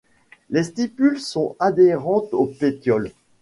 Les stipules sont adhérentes au pétiole.